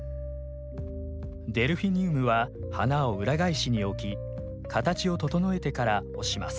デルフィニウムは花を裏返しに置き形を整えてから押します。